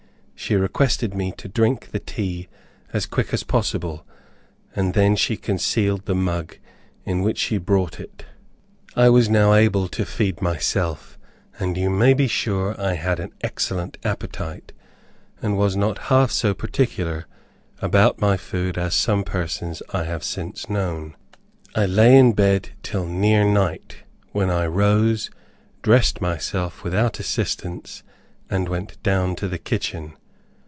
She requested me to drink the tea as quick as possible, and then she concealed the mug in which she brought it. I was now able to feed myself, and you may be sure I had an excellent appetite, and was not half so particular about my food as some persons I have since known. I lay in bed till near night, when I rose, dressed myself without assistance, and went down to the kitchen.